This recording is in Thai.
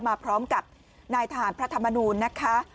มาพร้อมกับนายทหารพระธรรมนูลนะคะ